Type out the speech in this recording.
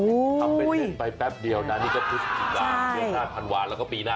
ทำเป็นเวทไปแป๊บเดียวดังนี้ก็พูดถึงทางพันวาดแล้วก็ปีหน้า